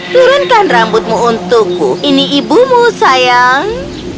turunkan rambutmu untukku ini ibumu sayang